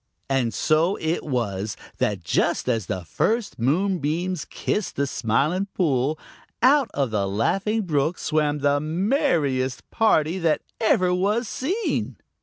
And so it was that just as the first moonbeams kissed the Smiling Pool, out of the Laughing Brook swam the merriest party that ever was seen.